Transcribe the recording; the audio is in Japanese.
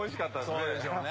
そうでしょうね。